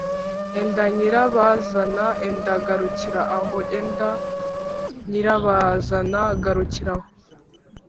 ‘enda nyirabazana, enda garukira aho enda nyirabazana garukira aho.’